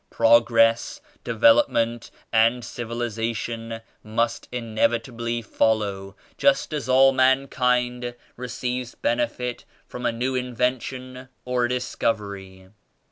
Prog ress, development and civilization must inevi tably follow, just as all mankind receives benefit from a new invention or discovery.